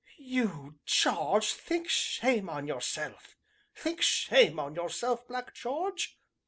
you, Jarge, think shame on yourself think shame on yourself, Black Jarge.